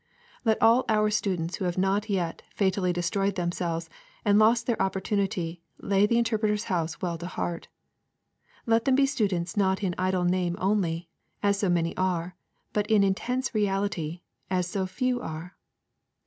Let all our students who have not yet fatally destroyed themselves and lost their opportunity lay the Interpreter's House well to heart. Let them be students not in idle name only, as so many are, but in intense reality, as so few are.